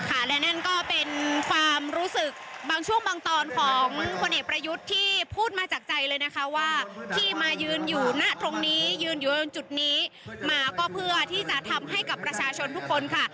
และนั่นก็เป็นความรู้สึกบางช่วงบางตอนของพลเอกประยุทธ์ที่พูดมาจากใจเลยนะคะว่าที่มายืนอยู่ณตรงนี้ยืนอยู่ตรงจุดนี้มาก็เพื่อที่จะทำให้กับประชาชนทุกคนค่ะ